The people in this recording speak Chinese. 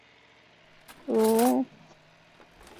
蒂茹卡斯是巴西圣卡塔琳娜州的一个市镇。